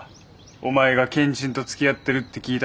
お前がけんちんとつきあってるって聞いた時。